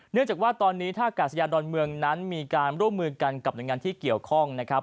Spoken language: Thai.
เนื่องจากว่าตอนนี้ท่ากาศยานดอนเมืองนั้นมีการร่วมมือกันกับหน่วยงานที่เกี่ยวข้องนะครับ